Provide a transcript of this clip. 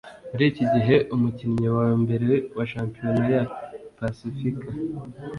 Muri iki gihe, 'umukinnyi wa mbere wa Shampiyona ya pasifika.